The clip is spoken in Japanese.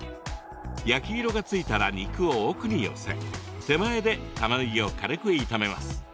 焼き色がついたら肉を奥に寄せ手前でたまねぎを軽く炒めます。